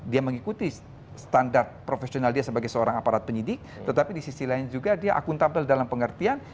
dia mengikuti standar profesional dia sebagai seorang aparat penyidik tetapi di sisi lain juga dia akuntabel dalam pengertian